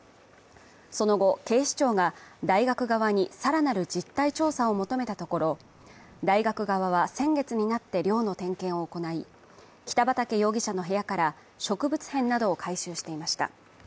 その後、警視庁が大学側に更なる実態調査を求めたところ大学側は、先月になって寮の点検を行い、北畠容疑者の部屋から植物片などを回収していました。